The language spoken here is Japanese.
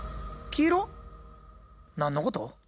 何のこと？